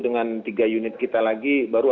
dengan tiga unit kita lagi baru